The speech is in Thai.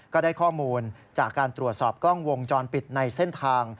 ก็ได้ข้อมูลจากการตรวจสอบกล้องวงจรปิดในเส้นทาง